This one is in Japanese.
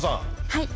はい。